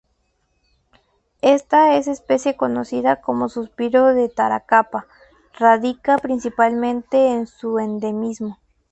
Esta es especie conocida como 'Suspiro de Tarapacá' radica principalmente en su endemismo.